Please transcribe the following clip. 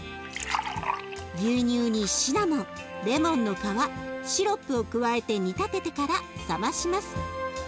牛乳にシナモンレモンの皮シロップを加えて煮立ててから冷まします。